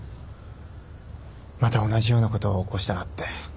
また同じようなことを起こしたらって。